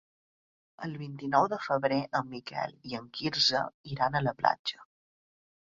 El vint-i-nou de febrer en Miquel i en Quirze iran a la platja.